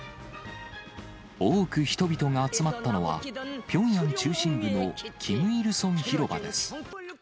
多く人々が集まったのは、ピョンヤン中心部の金日成広場です。